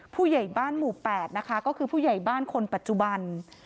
ผู้ใหญ่บ้านหมู่๘นะคะก็คือผู้ใหญ่บ้านคนปัจจุบัน